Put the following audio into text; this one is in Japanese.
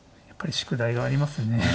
やっぱり宿題がありますね。